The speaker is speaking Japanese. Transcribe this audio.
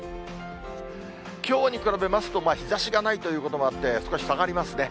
きょうに比べますと、日ざしがないということもあって、少し下がりますね。